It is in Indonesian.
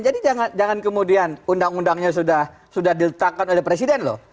jadi jangan kemudian undang undangnya sudah diletakkan oleh presiden loh